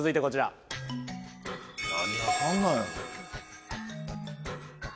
何屋さんなんやろ？